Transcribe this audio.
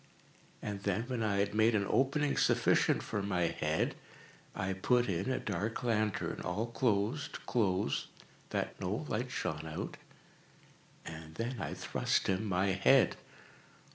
And then, when I had made an opening sufficient for my head, I put in a dark lantern, all closed, closed, that no light shone out, and then I thrust in my head.